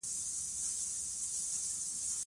په برخه کي د ټولنیزو اړتیاوو او انساني انصاف